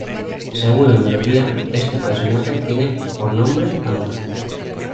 Según la melodía, este personaje tiene por nombre Amor.